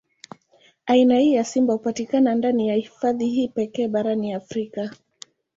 Aina hii ya simba hupatikana ndani ya hifadhi hii pekee barani Afrika.